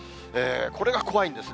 これが怖いんですね。